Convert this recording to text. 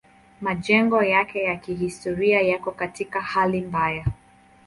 Majengo yake ya kihistoria yako katika hali mbaya.